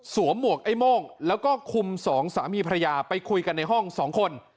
หมวกไอ้โม่งแล้วก็คุมสองสามีภรรยาไปคุยกันในห้อง๒คน